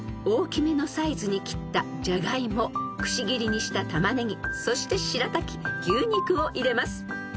［大きめのサイズに切ったジャガイモくし切りにしたタマネギそしてしらたき牛肉を入れます］